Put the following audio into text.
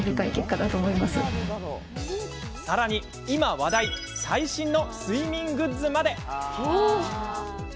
さらに今、話題最新の睡眠グッズまで。